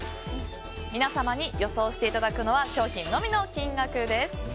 皆様に予想していただくのは商品のみの金額です。